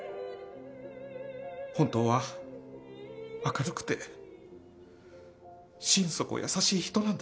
本当は明るくて心底優しい人なんです。